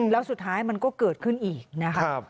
แล้วสุดท้ายมันก็เกิดขึ้นอีกนะครับ